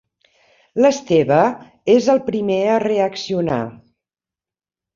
L'Esteve és el primer a reaccionar.